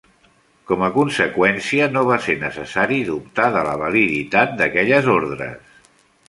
Com a conseqüència, no va ser necessari dubtar de la validitat d'aquelles ordres.